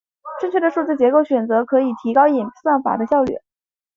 正确的数据结构选择可以提高演算法的效率。